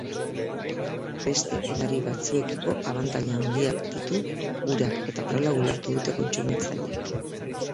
Beste edari batzuekiko abantaila handiak ditu urak eta horrela ulertu dute kontsumitzaileek.